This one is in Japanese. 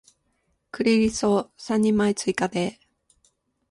クリリソ三人前追加で